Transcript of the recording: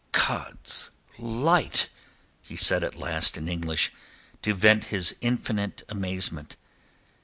"God's light!" he said at last, in English, to vent his infinite amazement.